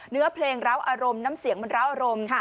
เนื้อเพลงร้าวอารมณ์น้ำเสียงมันร้าวอารมณ์